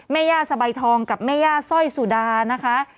แม่ย่าสบายทองกับแม่ย่าสร้อยสุดานะคะ